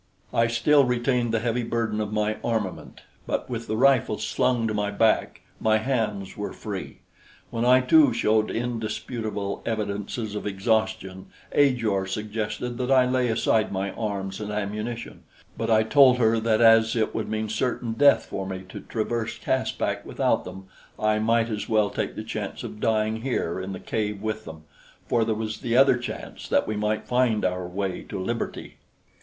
I still retained the heavy burden of my armament; but with the rifle slung to my back, my hands were free. When I too showed indisputable evidences of exhaustion, Ajor suggested that I lay aside my arms and ammunition; but I told her that as it would mean certain death for me to traverse Caspak without them, I might as well take the chance of dying here in the cave with them, for there was the other chance that we might find our way to liberty.